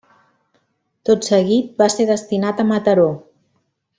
Tot seguit va ser destinat a Mataró.